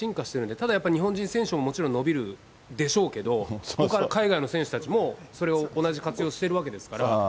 ただやっぱり、日本人選手ももちろん伸びるでしょうけど、ほかの海外の選手たちも、それを同じ活用してるわけですから。